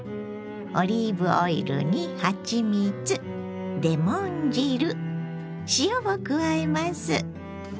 オリーブオイルにはちみつレモン汁塩を加えます。